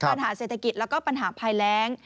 ปัญหาเศรษฐกิจแล้วก็ปัญหาภัยแรง